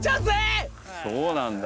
そうなんだ。